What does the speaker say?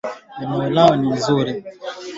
Viazi lishe hulimwa maeneo kadhaa TAnzania